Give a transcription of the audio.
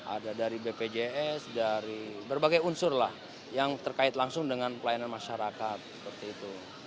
ada dari bpjs dari berbagai unsur lah yang terkait langsung dengan pelayanan masyarakat seperti itu